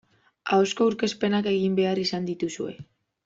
Ahozko aurkezpenak egin behar izan dituzue.